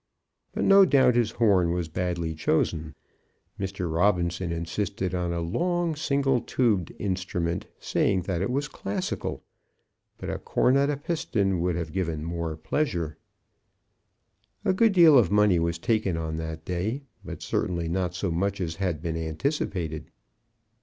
But no doubt his horn was badly chosen. Mr. Robinson insisted on a long single tubed instrument, saying that it was classical; but a cornet à piston would have given more pleasure. A good deal of money was taken on that day; but certainly not so much as had been anticipated.